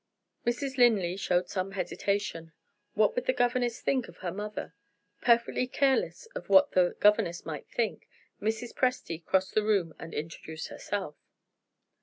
Mrs. Linley showed some hesitation. What would the governess think of her mother? Perfectly careless of what the governess might think, Mrs. Presty crossed the room and introduced herself.